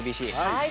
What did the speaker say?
はい。